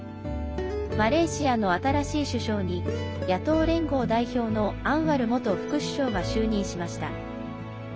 マレーシアの新しい首相に野党連合代表のアンワル元副首相が就任しました。